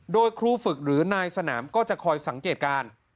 โดยครูฝึกหรือนายสนามก็จะคอยสังเกตการ